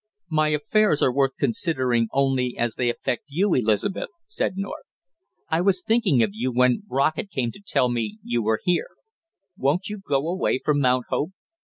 "My affairs are worth considering only as they affect you, Elizabeth!" said North. "I was thinking of you when Brockett came to tell me you were here. Won't you go away from Mount Hope?